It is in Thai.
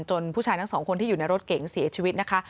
ผู้ชายทั้งสองคนที่อยู่ในรถเก๋งเสียชีวิตนะคะ